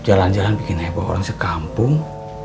jalan jalan bikin heboh orang sekampung